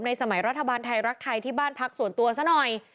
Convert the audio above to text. สมัยรัฐบาลไทยรักไทยที่บ้านพักส่วนตัวซะหน่อย